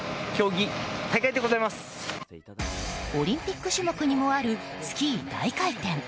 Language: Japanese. オリンピック種目にもあるスキー大回転。